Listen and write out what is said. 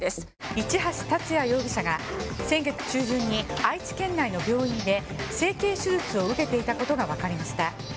市橋達也容疑者が先月中旬愛知県内の病院で整形手術を受けていたことが分かりました。